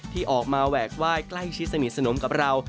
ที่ออกมาแหวกไหว้ใกล้ชิดสนิทสนมกับเรา